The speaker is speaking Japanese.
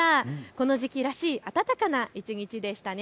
この時期らしい暖かな一日でしたね。